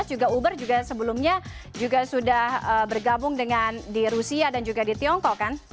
di dua ribu delapan belas dua ribu tujuh belas juga uber juga sebelumnya juga sudah bergabung dengan di rusia dan juga di tiongkok kan